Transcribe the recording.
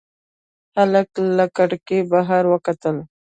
هلک له کړکۍ بهر وکتل.